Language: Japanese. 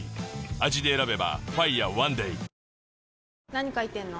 何書いてんの？